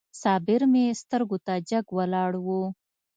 صابر مې سترګو ته جګ ولاړ و.